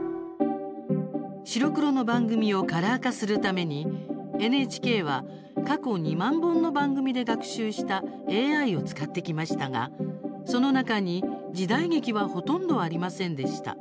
白黒の番組をカラー化するためにＮＨＫは、過去２万本の番組で学習したＡＩを使ってきましたがその中に時代劇はほとんどありませんでした。